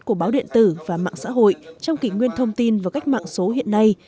của báo điện tử và mạng xã hội trong kỷ nguyên thông tin và cách mạng số hiện nay